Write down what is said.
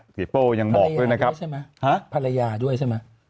โป้ยังบอกด้วยนะครับภรรยาด้วยใช่ไหม